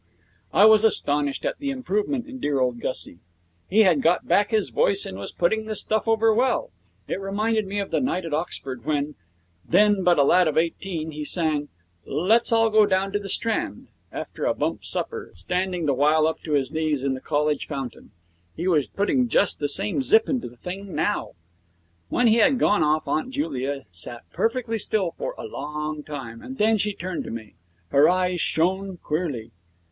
I was astonished at the improvement in dear old Gussie. He had got back his voice and was putting the stuff over well. It reminded me of the night at Oxford when, then but a lad of eighteen, he sang 'Let's All Go Down the Strand' after a bump supper, standing the while up to his knees in the college fountain. He was putting just the same zip into the thing now. When he had gone off Aunt Julia sat perfectly still for a long time, and then she turned to me. Her eyes shone queerly.